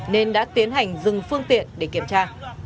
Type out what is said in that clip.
nên đã tiến hành dừng phương tiện để kiểm tra